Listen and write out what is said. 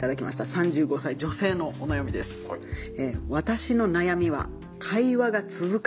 ３５歳女性のお悩みです。という。